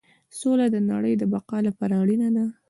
سوله د نړۍ د بقا لپاره اړینه ده.